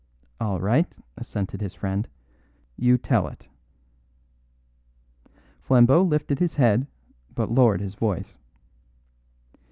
"All right," assented his friend. "You tell it." Flambeau lifted his head, but lowered his voice.